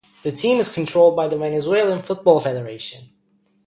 The team is controlled by the Venezuelan Football Federation.